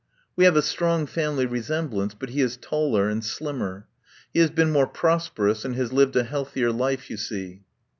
"We have a strong family resemblance, but he is taller and slimmer. He has been more prosperous, and has lived a healthier life, you see."